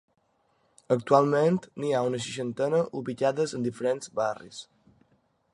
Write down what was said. Actualment n'hi ha una seixantena ubicades en diferents barris.